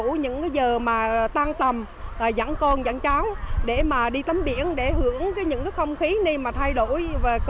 trang thủ những cái giờ mà tan tầm dẫn con dẫn cháu để mà đi tắm biển để hưởng những cái không khí này mà thay đổi